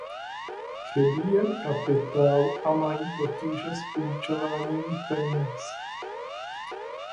Chybí jim kapitál a mají potíže s půjčováním peněz.